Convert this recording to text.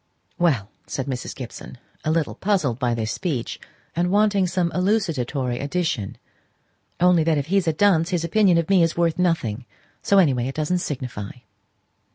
"Well," said Mrs. Gibson, a little puzzled by this speech, and wanting some elucidatory addition. "Only that if he's a dunce his opinion of me is worth nothing. So, any way, it doesn't signify."